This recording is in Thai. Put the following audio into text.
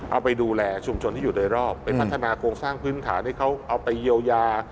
เอาไปดูแลชุมชนที่อยู่โดยรอบไปพัฒนาโครงสร้างพื้นฐานให้เขาเอาไปเยียวยา